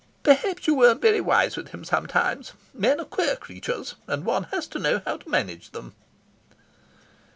"Perhaps you weren't very wise with him sometimes. Men are queer creatures, and one has to know how to manage them."